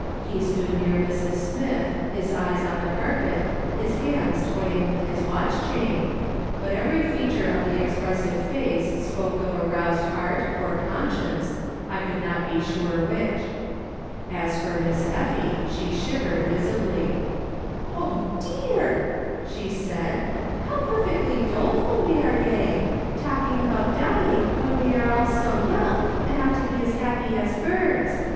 He stood near Mrs. Smith, his eyes on the carpet, his hands toying with his watch chain, but every feature of the expressive face spoke of a roused heart, or conscience, I could not be sure which. As for Miss Effie, she shivered visibly. " Oh, dear V she said, " how perfectly doleful we are getting ! Talking about dying when we are all so "/ DO DISLIKE SCENES." 147 young, and ought to be as liappy as birds.